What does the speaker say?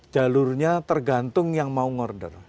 jalurnya tergantung yang mau ngorder